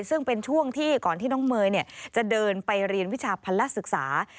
ซึ่งเป็นช่วงที่ก่อนที่น้องเมย์จะเดินไปเรียนวิชาพันละศึกษา